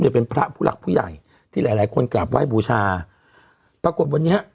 จะเป็นพระผู้หลักผู้ใหญ่ที่หลายหลายคนกราบไหว้บูชาปรากฏวันนี้